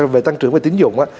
về tăng trưởng tính dụng